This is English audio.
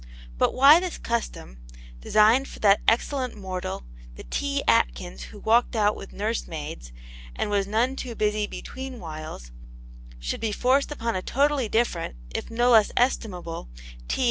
But why this custom, designed for that excellent mortal, the T. Atkins who walked out with nurse maids, and was none too busy between whiles, should be forced upon a totally different (if no less estimable) T.